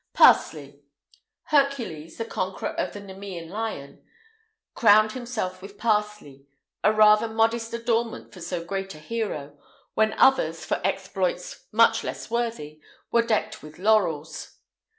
PARSLEY. Hercules, the conqueror of the Nemæan lion, crowned himself with parsley; a rather modest adornment for so great a hero, when others, for exploits much less worthy, were decked with laurels.